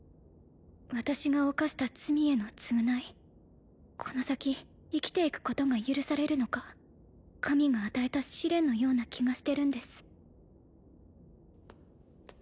私が犯した罪への償いこの先生きていくことが許されるのか神が与えた試練のような気がしてるんです